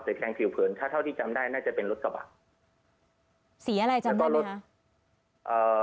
แต่แทงผิวเผินถ้าเท่าที่จำได้น่าจะเป็นรถกระบะสีอะไรจำได้ไหมคะเอ่อ